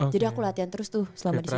jadi aku latihan terus tuh selama disitu